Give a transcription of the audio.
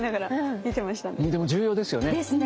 でも重要ですよね。ですね。